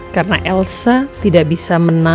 karena elsa tidak bisa menang